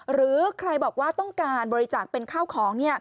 หรือใครบอกว่าต้องการบริจาคเป็นข้าวของ